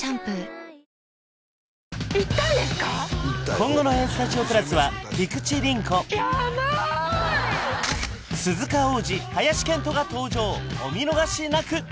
今後の「ＡＳＴＵＤＩＯ＋」は菊地凛子鈴鹿央士林遣都が登場お見逃しなく！